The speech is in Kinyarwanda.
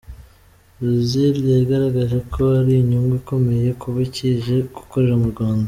Uziel yagaragaje ko ari inyungu ikomeye kuba kije gukorera mu Rwanda.